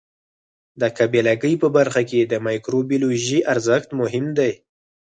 د قابله ګۍ په برخه کې د مایکروبیولوژي ارزښت مهم دی.